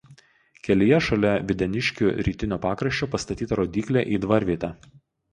Kelyje šalia Videniškių rytinio pakraščio pastatyta rodyklė į dvarvietę.